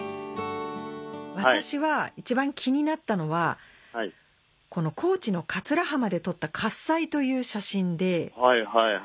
私は一番気になったのはこの高知の桂浜で撮った「喝采」という写真で。